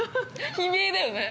◆悲鳴だよね。